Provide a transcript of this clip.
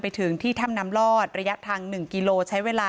ถึงที่ถ้ำน้ำลอดระยะทาง๑กิโลใช้เวลา